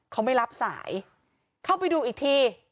เขาไม่รับสายเข้าไปดูอีกที